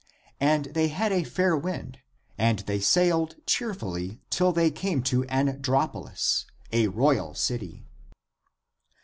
And they had a fair w^ind ; and they sailed cheerfully till they came to Andrapolis, a royal city.